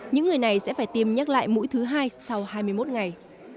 những người này sẽ phải tiêm nhắc lại mũi thứ hai sau hai mươi một ngày